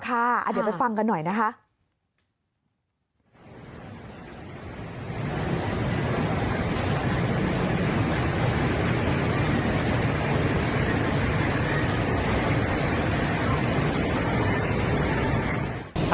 เดี๋ยวไปฟังกันหน่อยนะคะ